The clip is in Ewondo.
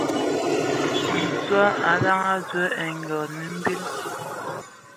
Nson o lada ai dzɔ o nə aye yə a bili.